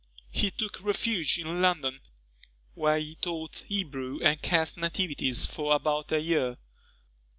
He took refuge in London, where he taught Hebrew and cast nativities, for about a year.